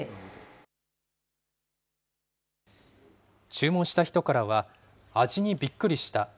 注文した人からは、味にびっくりした。